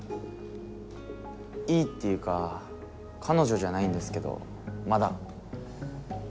いいっていうか彼女じゃないんですけどまだ。